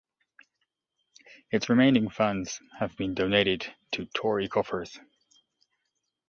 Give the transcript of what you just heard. Its remaining funds have been donated to Tory coffers.